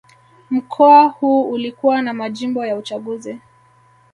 Mkoa huu ulikuwa na majimbo ya uchaguzi